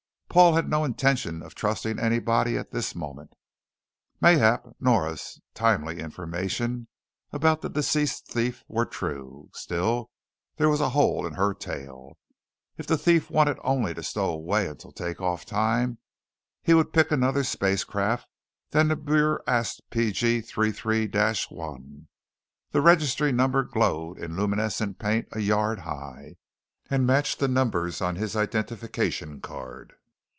Paul had no intention of trusting anybody at this moment. Mayhap Nora's timely information about the deceased thief were true. Still, there was a hole in her tale. If the thief wanted only to stow away until take off time, he would pick another spacecraft than the BurAst P.G.33 1. The registry number glowed in luminescent paint a yard high, and matched the numbers on his identification card.